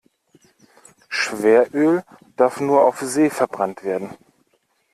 Schweröl darf nur auf See verbrannt werden.